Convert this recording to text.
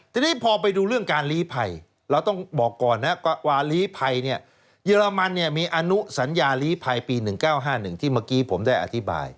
ทีนี้พอไปดูเรื่องการลีภัยเราต้องบอกก่อนนะวาลีภัยเนี่ยเยอรมันมีอนุสัญญาลีภัยปี๑๙๕๑ที่เมื่อกี้ผมได้อธิบาย